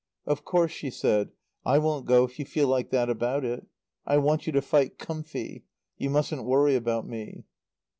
"Of course," she said, "I won't go if you feel like that about it. I want you to fight comfy. You mustn't worry about me."